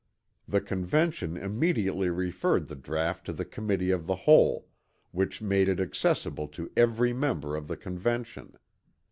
The Convention immediately referred the draught to the Committee of the Whole, which made it accessible to every member of the Convention.